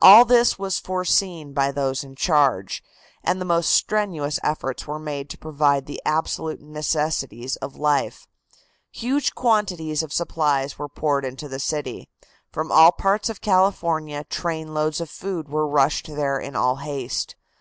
All this was foreseen by those in charge, and the most strenuous efforts were made to provide the absolute necessities of life. Huge quantities of supplies were poured into the city. From all parts of California trainloads of food were rushed there in all haste.